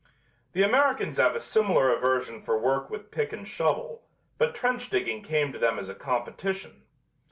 The Americans have a similar aversion for work with pick and shovel, but trench digging came to them as a competition.